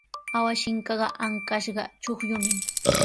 Awashinkaqa ankashqa chuqllumi.